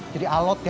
jadi alot ya